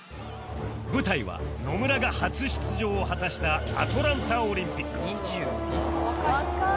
舞台は野村が初出場を果たしたアトランタオリンピック「２１歳」「若い！」